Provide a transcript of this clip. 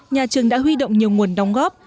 nhà trường đã huy động nhiều nguồn đóng góp